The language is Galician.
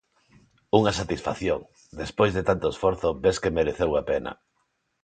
Unha satisfacción, despois de tanto esforzo ves que mereceu a pena.